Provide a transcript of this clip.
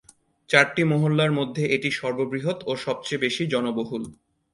চারটি মহল্লার মধ্যে এটি সর্ববৃহৎ ও সবচেয়ে বেশি জনবহুল।